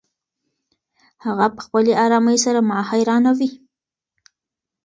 هغه په خپلې ارامۍ سره ما حیرانوي.